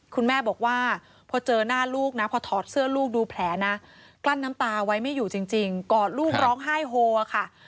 คุณแม่บอกว่าพอเจอหน้าลูกนะพอถอดเสื้อลูกดูแผลนะกลั้นน้ำตาไว้ไม่อยู่จริงกอดลูกร้องไห้โฮค่ะ